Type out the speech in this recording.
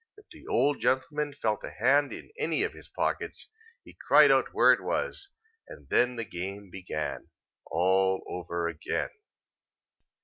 If the old gentlman felt a hand in any one of his pockets, he cried out where it was; and then the game began all over again.